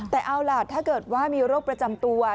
แต่เอาล่ะถ้าเกิดว่ามีโรคประจำตัว